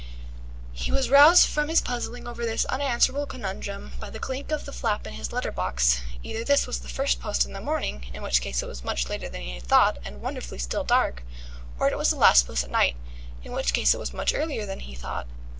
He was roused from his puzzling over this unanswerable conundrum by the clink of the flap in his letter box. Either this was the first post in the morning, in which case it was much later than he thought, and wonderfully dark still, or it was the last post at night, in which case it was much earlier than he thought.